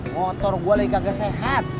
motor gua lagi kagak sehat